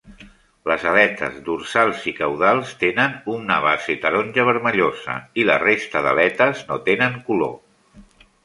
Les aletes dorsals i caudals tenen una base taronja vermellosa i la resta d'aletes no tenen color.